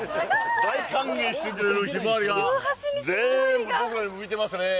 大歓迎してくれるひまわりが全部僕らに向いてますね。